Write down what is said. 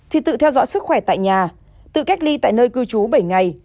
thì tự theo dõi sức khỏe tại nhà tự cách ly tại nơi cư trú bảy ngày